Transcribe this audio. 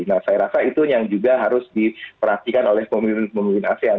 nah saya rasa itu yang juga harus diperhatikan oleh pemimpin pemimpin asean